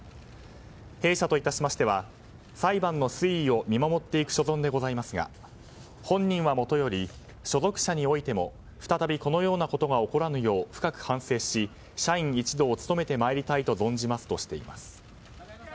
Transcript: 弊社といたしましては裁判の推移を見守っていく所存でございますが本人はもとより所属者においても再びこのようなことが起こらぬよう深く反省し社員一同努めてまいりたいと存じますとしています。